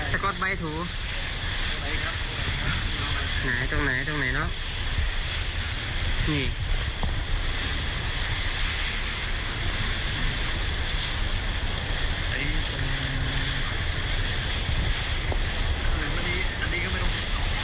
อันนี้ก็ไม่ต้อง